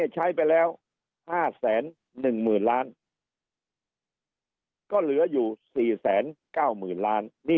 ใช้ไปแล้ว๕แสน๑หมื่นล้านก็เหลืออยู่๔แสน๙หมื่นล้านมี